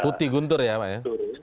putih guntur ya pak ya